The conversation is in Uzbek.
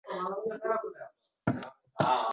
Katta bobom – otamning otasi teskarichi odam bo’lgan.